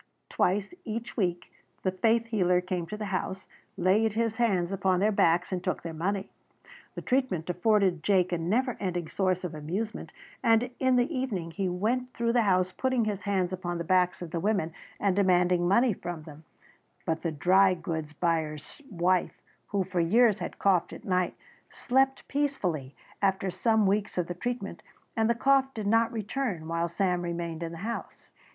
Twice each week the faith healer came to the house, laid his hands upon their backs and took their money. The treatment afforded Jake a never ending source of amusement and in the evening he went through the house putting his hands upon the backs of the women and demanding money from them, but the dry goods buyer's wife, who for years had coughed at night, slept peacefully after some weeks of the treatment and the cough did not return while Sam remained in the house.